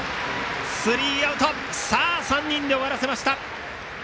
スリーアウトさあ３人で終わらせました。